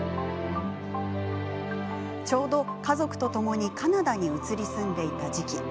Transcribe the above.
ちょうど家族とともにカナダに移り住んでいた時期。